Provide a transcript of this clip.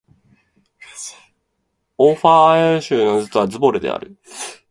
オーファーアイセル州の州都はズヴォレである